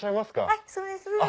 はいそうです。